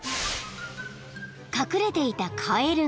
［隠れていたカエルが］